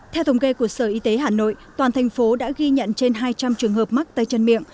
theo thống kê của sở y tế hà nội toàn thành phố đã ghi nhận trên hai trăm linh trường hợp mắc tay chân miệng